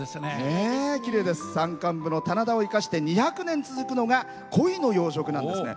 山間部の棚田を生かして２００年続くのがコイの養殖なんですね。